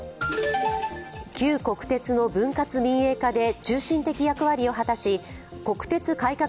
旧国鉄の分割・民営化で中心的役割を果たし国鉄改革